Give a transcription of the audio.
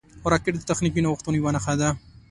راکټ د تخنیکي نوښتونو یوه نښه ده